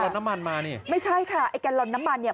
น้ำมันมานี่ไม่ใช่ค่ะไอ้แกลลอนน้ำมันเนี่ย